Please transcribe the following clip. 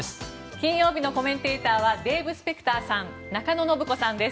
金曜日のコメンテーターはデーブ・スペクターさん中野信子さんです。